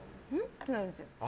ってなるんです。